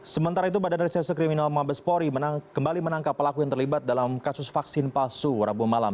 sementara itu badan reserse kriminal mabespori kembali menangkap pelaku yang terlibat dalam kasus vaksin palsu rabu malam